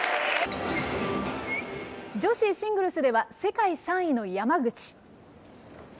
女子シングルスでは、世界３位の山口。